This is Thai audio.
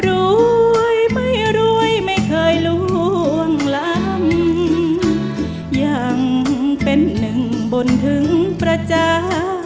รวยไม่รวยไม่เคยล่วงหลังยังเป็นหนึ่งบนถึงประจา